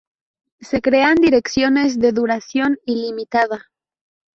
Se crean direcciones de duración ilimitada